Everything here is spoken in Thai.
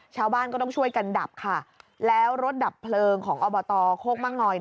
ชาวบ้านก็ต้องช่วยกันดับค่ะแล้วรถดับเพลิงของอบตโคกมะงอย